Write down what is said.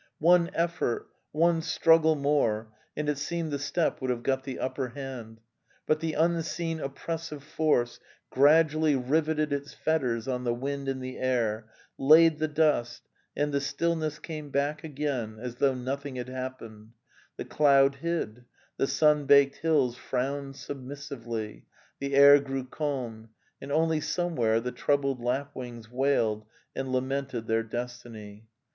One effort, one struggle more, and it seemed the steppe would have got the upper hand. But the unseen oppressive force gradually riveted its fetters ° on the wind and the air, laid the dust, and the still ness came back again as though nothing had hap pened, the cloud hid, the sun baked hills frowned submissively, the air grew calm, and only somewhere the troubled lapwings wailed and lamented their destiny.)